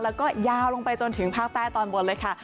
แล้วก็ยาวลงไปจนถึงภาคใต้ตอนบนเลยค่ะ